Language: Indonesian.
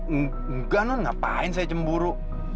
enggak non ngapain saya cemburu